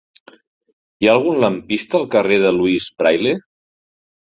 Hi ha algun lampista al carrer de Louis Braille?